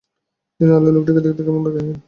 দিনের আলোয় লোকটিকে দেখতে কেমন দেখায় কে জানে।